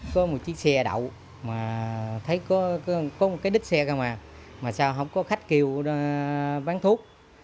có một chiếc xe đậu mà thấy có một cái đít xe cơ mà mà sao không có khách kêu bán thuốc